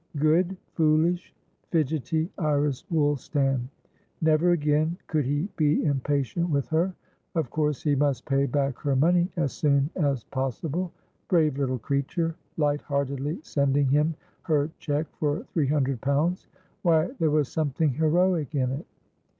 Good, foolish, fidgetty Iris Woolstan! Never again could he be impatient with her. Of course he must pay back her money as soon as possible. Brave little creature, light heartedly sending him her cheque for three hundred pounds; why, there was something heroic in it.